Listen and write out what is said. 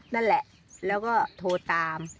นั่นแหละแล้วก็โทรตาม